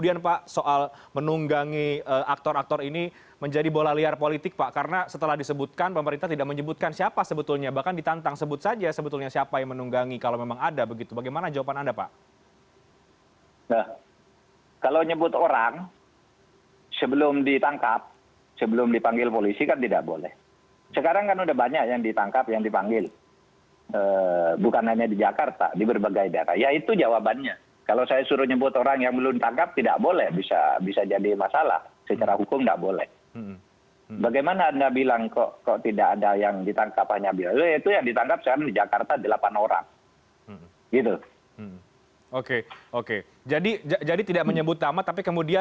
dan yang melakukan itu kan banyak